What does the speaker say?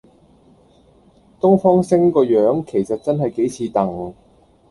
東方昇個樣其實真係幾似鄧